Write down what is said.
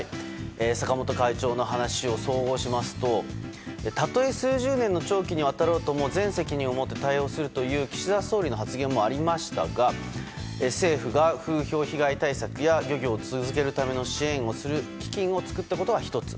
坂本会長の話を総合しますとたとえ数十年の長期に渡ろうとも全責任を持って対応するという岸田総理の発言もありましたが政府が風評被害対策や漁業を続けるための支援をする基金を作ったことは１つ。